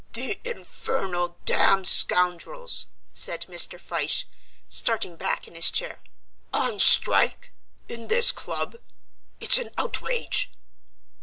"The infernal, damn scoundrels!" said Mr. Fyshe, starting back in his chair. "On strike: in this club! It's an outrage!"